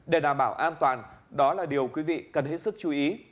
để đảm bảo an toàn đó là điều quý vị cần hết sức chú ý